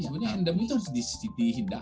sebenarnya endemi itu dihidarkan